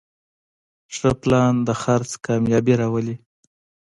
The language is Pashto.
ښه پلان د خرڅ کامیابي راولي.